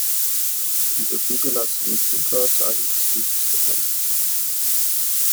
Über zugelassene Zuschauerzahlen ist nichts bekannt.